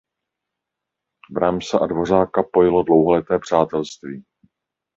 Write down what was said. Brahmse a Dvořáka pojilo dlouholeté přátelství.